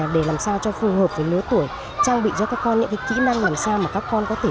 để làm sao cho phù hợp với lứa tuổi trang bị cho các con những kỹ năng làm sao mà các con có thể